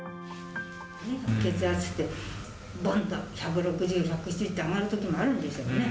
血圧って、ぼんっと１６０、１７０って上がることもあるんでしょうね。